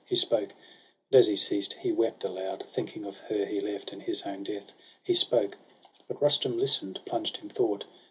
He spoke ; and as he ceased, he wept aloud. Thinking of her he left, and his own death. He spoke; but Rustum Hsten'd, plunged in thought.